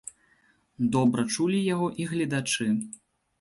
Добра чулі яго і гледачы.